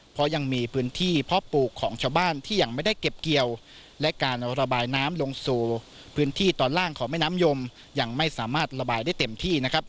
เพราะยังมีพื้นที่เพาะปลูกของชาวบ้านที่ยังไม่ได้เก็บเกี่ยวและการระบายน้ำลงสู่พื้นที่ตอนล่างของแม่น้ำยมยังไม่สามารถระบายได้เต็มที่นะครับ